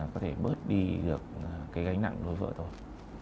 có thể bớt đi được cái gánh nặng đối với vợ thôi